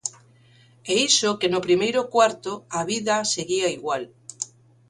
E iso que no primeiro cuarto, a vida seguía igual.